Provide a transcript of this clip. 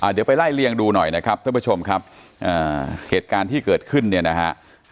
เดี๋ยวไปไล่เลี่ยงดูหน่อยนะครับท่านผู้ชมครับเหตุการณ์ที่เกิดขึ้นเนี่ยนะฮะ